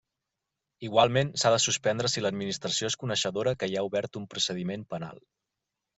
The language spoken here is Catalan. Igualment, s'ha de suspendre si l'administració és coneixedora que hi ha obert un procediment penal.